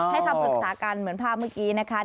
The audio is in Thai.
ให้เขาปรึกษากันเหมือนพาเมื่อกี๊นะคะ